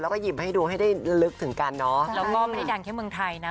แล้วก็หยิบให้ดูให้ได้ลึกถึงกันเนอะแล้วก็ไม่ได้ดังแค่เมืองไทยนะ